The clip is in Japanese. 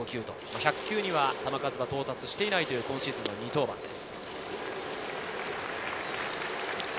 １００球には球数は到達していないという今シーズンの２登板です。